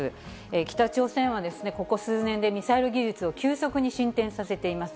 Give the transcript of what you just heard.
北朝鮮は、ここ数年でミサイル技術を急速に進展させています。